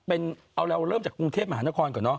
เอาเราเริ่มจากกรุงเทพมหานครก่อนเนอ